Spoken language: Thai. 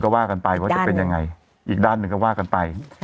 ก็ว่ากันไปว่าจะเป็นยังไงอีกด้านหนึ่งก็ว่ากันไป